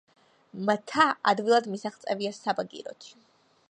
მთა ადვილად მისაღწევია საბაგიროთი.